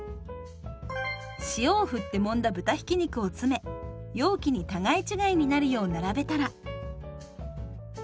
塩を振ってもんだ豚ひき肉を詰め容器に互い違いになるよう並べたら。